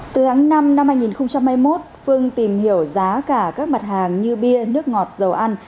từ tháng năm năm hai nghìn hai mươi một phương tìm hiểu giá cả các mặt hàng như bia nước ngọt dầu ăn